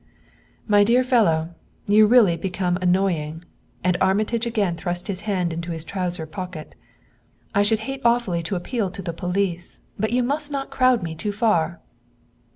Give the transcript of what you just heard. "My dear fellow, you really become annoying," and Armitage again thrust his hand into his trousers pocket. "I should hate awfully to appeal to the police; but you must not crowd me too far."